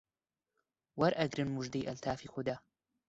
وەرئەگرن موژدەی ئەلتافی خودا